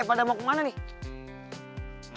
pada mau kemana nih